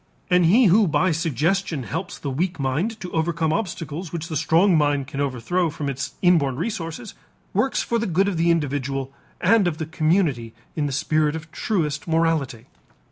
And he who by suggestion helps the weak mind to overcome obstacles which the strong mind can overthrow from its inborn resources works for the good of the individual and of the community in the spirit of truest morality.